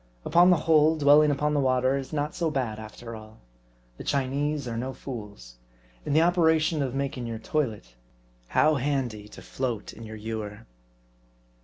Upon the whole, dwelling upon the water is not so bad after all. The Chinese are no fools. In the operation of making your toilet, how handy to float in your ewer